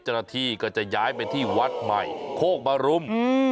จณฑีก็จะย้ายไปที่วัดใหม่โคกบารุม